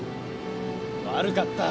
悪かった。